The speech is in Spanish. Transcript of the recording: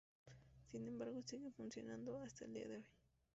Sin embargo sigue funcionando hasta el día de hoy.